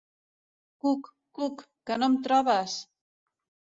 Cuc, cuc, que no em trobes!